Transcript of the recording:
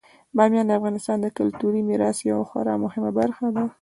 بامیان د افغانستان د کلتوري میراث یوه خورا مهمه برخه ده.